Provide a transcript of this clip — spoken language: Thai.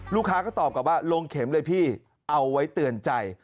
ลูกค้าก็ตอบกลับว่าลงเข็มเลยพี่เอาไว้เตือนใจ